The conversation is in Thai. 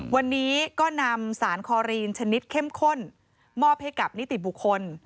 วันนี้ก็นำสารคอรีนชนิดเข้มข้นมอบให้กับนิติบุคคล